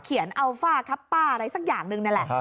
เขียนอัลฟ่าคัปป้าอะไรสักอย่างหนึ่งนั่นแหละครับ